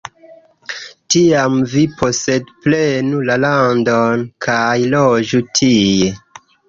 Tiam vi posedprenu la landon, kaj loĝu tie.